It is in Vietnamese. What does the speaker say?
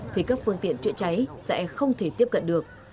thì các phương tiện chữa cháy sẽ không thể tiếp cận được